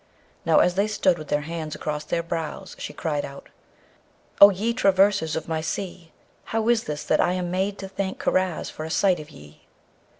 Now, as they stood with their hands across their brows, she cried out, 'O ye traversers of my sea! how is this, that I am made to thank Karaz for a sight of ye?'